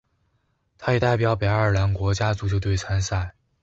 他也代表北爱尔兰国家足球队参赛。